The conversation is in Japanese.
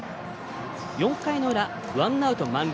４回の裏、ワンアウト満塁。